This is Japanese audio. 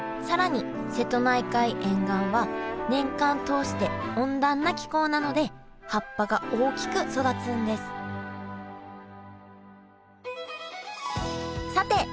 更に瀬戸内海沿岸は年間通して温暖な気候なので葉っぱが大きく育つんですさて